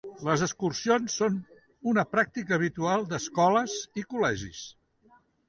Les excursions són una pràctica habitual d'escoles i col·legis.